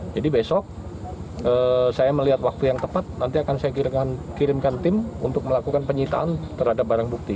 jadi besok saya melihat waktu yang tepat nanti akan saya kirimkan tim untuk melakukan penyitaan terhadap barang bukaan